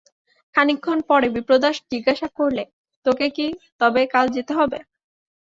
খানিকক্ষণ পরে বিপ্রদাস জিজ্ঞাসা করলে, তোকে কি তবে কাল যেতে হবে?